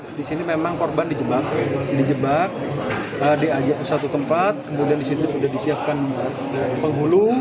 karena disini memang korban dijebak diajak ke satu tempat kemudian disitu sudah disiapkan penghulu